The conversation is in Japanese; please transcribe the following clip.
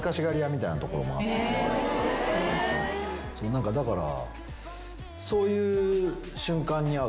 何かだから。